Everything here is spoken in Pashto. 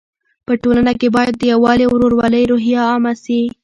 په ټولنه کې باید د یووالي او ورورولۍ روحیه عامه سي.